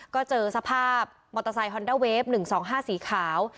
ก็เจอสภาพมอเตอร์ไซค์ฮอนเดอร์เวฟหนึ่งสองห้าสีขาว